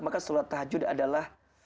maka salat tahajud adalah